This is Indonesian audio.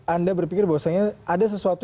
anda berpikir bahwa seandainya ada sesuatu